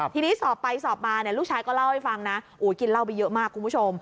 ทีนี้สอบไปสอบมาเนี่ยลูกชายก็เล่าให้ฟังนะกินเหล้าไปเยอะมากคุณผู้ชม